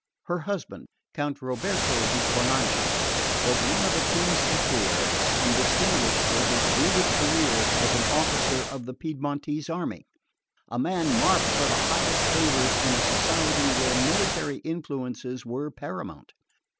Her husband, Count Roberto di Tournanches, was one of the King's equerries and distinguished for his brilliant career as an officer of the Piedmontese army a man marked for the highest favours in a society where military influences were paramount.